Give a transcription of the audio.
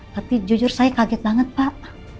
tapi jujur saya kaget banget pak